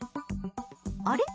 あれ？